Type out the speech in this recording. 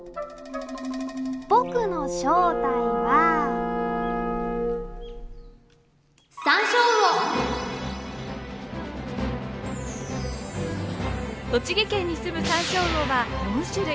僕の正体は栃木県に住むサンショウウオは４種類。